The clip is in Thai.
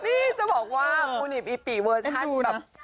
นี่จะบอกว่าภูนิปอิปปิเวอร์ชัน